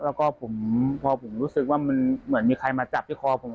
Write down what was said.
แล้วก็ผมพอผมรู้สึกว่ามันเหมือนมีใครมาจับที่คอผม